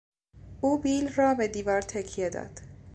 او بیل را به دیوار تکیه داد.